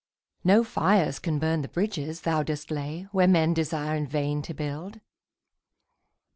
No fires can burn The bridges thou dost lay where men desire In vain to build.